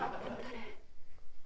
誰？